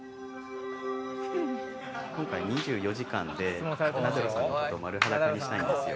今回２４時間でナダルさんのことを丸裸にしたいんですよ。